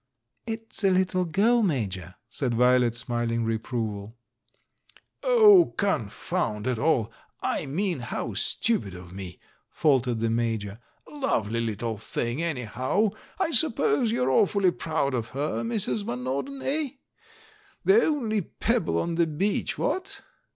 "It's a little girl, Major," said Violet, smiling reproval. "Oh, confound it all! I mean how stupid of me!" faltered the Major. "Lovely little thing, anyhow. I suppose you're awfully proud of her, Mrs. Van Norden, eh? The only pebble on the beach, what?